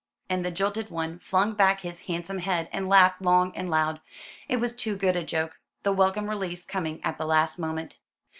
And the jilted one flung back his handsome head and laughed long and loud. It was too good a joke, the welcome release coming at the last moment.